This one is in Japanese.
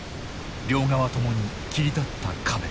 両側ともに切り立った壁。